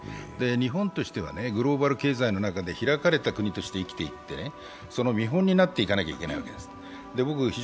日本としてはグローバル経済の中で開かれた国として生きていってその見本になっていかなきゃいけないわけです。